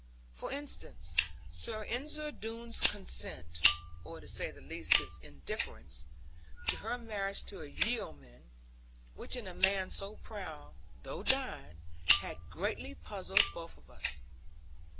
For instance, Sir Ensor Doone's consent, or to say the least his indifference, to her marriage with a yeoman; which in a man so proud (though dying) had greatly puzzled both of us.